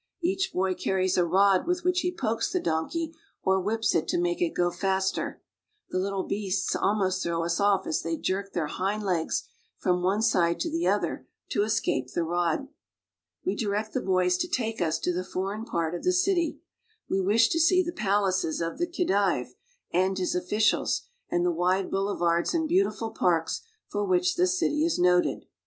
Each boy carries a rod with which he pokes the donkey or whips it to make it go faster; the little beasts almost throw us off as they jerk their hind legs from one side to the other to escape the rod. We direct the boys to take us to the foreign part of ■ the city. We wish to see the palaces of the Khedive and lua officials, and the wide boulevards and beautiful parks for which the city is noted.